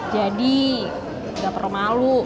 jadi gak perlu malu